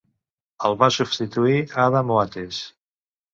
El va substituir Adam Oates.